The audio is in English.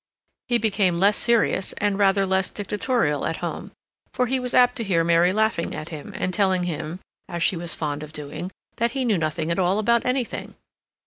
He became less serious, and rather less dictatorial at home, for he was apt to hear Mary laughing at him, and telling him, as she was fond of doing, that he knew nothing at all about anything.